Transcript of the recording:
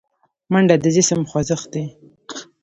منډه د جسم خوځښت دی